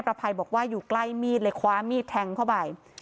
ประภัยบอกว่าอยู่ใกล้มีดเลยคว้ามีดแทงเข้าไป